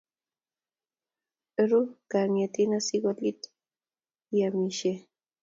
Ru, nyeang'etin asikolit ii amisye.